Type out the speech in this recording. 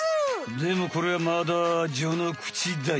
でもこれはまだじょのくちだい。